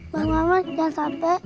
bang mohon jangan sampai